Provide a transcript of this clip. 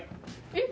えっ？